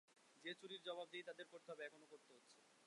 সে চুরির জবাবদিহি তাদের করতে হবে, এখনো করতে হচ্ছে।